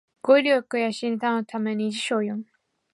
語彙力を養うために辞書を読む